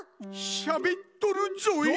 しゃべっとるぞい。